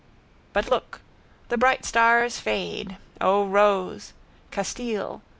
But look. The bright stars fade. O rose! Castile.